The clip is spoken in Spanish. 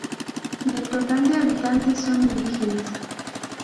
Del total de habitantes son indígenas.